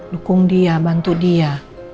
dukung dia bantu dia